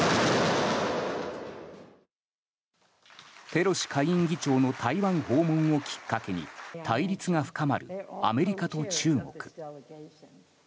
ペロシ下院議長の台湾訪問をきっかけに対立が深まるアメリカと中国。